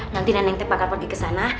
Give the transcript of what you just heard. nanti nenek teh bakal pergi kesana